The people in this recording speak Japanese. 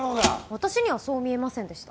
私にはそう見えませんでした。